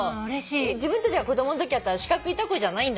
自分たちが子供のときあった四角いたこじゃないんだけど。